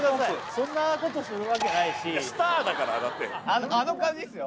そんなことするわけないしスターだからだってあの感じですよ